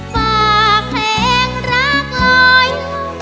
ฝากเพลงรักลอย